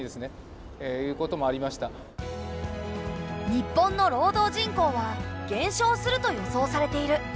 日本の労働人口は減少すると予想されている。